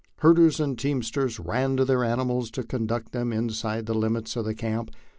Herders and teamsters ran to their animals to conduct them inside the limits of camp.